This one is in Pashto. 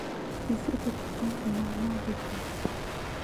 زه د کتاب معنی لیکم.